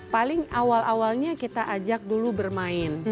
paling awal awalnya kita ajak dulu bermain